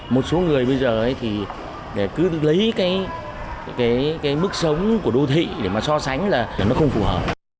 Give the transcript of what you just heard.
một số người bây giờ thì cứ lấy cái mức sống của đô thị để mà so sánh là nó không phù hợp